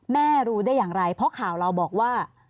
รู้ได้อย่างไรเพราะข่าวเราบอกว่า